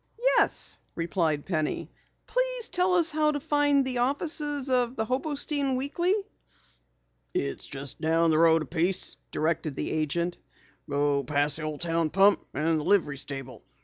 "Yes," replied Penny. "Please tell us how to find the offices of the Hobostein Weekly." "It's just a piece down the street," directed the agent. "Go past the old town pump, and the livery stable.